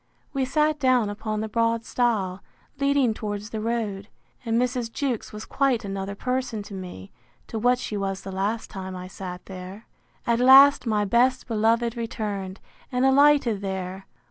We sat down upon the broad stile, leading towards the road; and Mrs. Jewkes was quite another person to me, to what she was the last time I sat there. At last my best beloved returned, and alighted there.